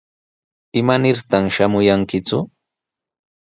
¿Imanirtaq shamuyankiku?